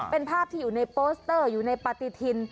เป็นภาพที่อยู่ในโปสเตอร์อยู่ในปฏิทิน